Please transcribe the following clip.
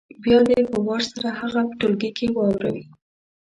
بیا دې په وار سره هغه په ټولګي کې واوروي